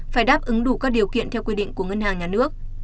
phải đáp ứng đủ các điều kiện theo quy định của ngân hàng nhà nước